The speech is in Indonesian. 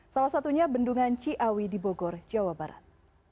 salah satunya bendungan ciawi di bogor jawa barat